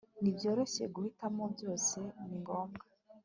nibyoroshye. guhitamo byose ni ngombwa